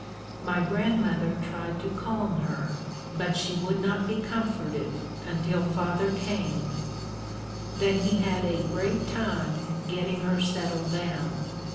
My grandmother tried to calm her, but she would not be comforted until father came, then he had a great time getting her settled down.